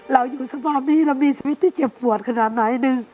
เราอยู่สภาพนี้เรามีชีวิตที่เจ็บปวดขนาดไหน